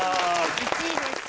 １位です。